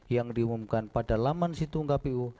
yang diumumkan pada laman situng kpu